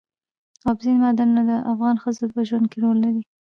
اوبزین معدنونه د افغان ښځو په ژوند کې رول لري.